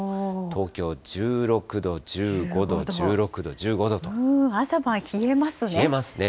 東京１６度、１５度、朝晩、冷えますね。